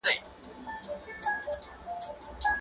تاسو په نړۍ کي بې ساري یاست.